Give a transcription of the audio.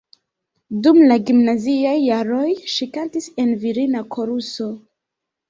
Dum la gimnaziaj jaroj ŝi kantis en virina koruso.